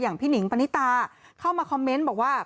พี่หนิงปณิตาเข้ามาคอมเมนต์บอกว่า